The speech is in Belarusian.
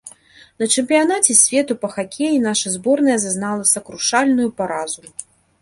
На чэмпіянаце свету па хакеі наша зборная зазнала сакрушальную паразу.